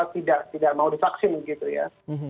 tidak mau divaksin gitu ya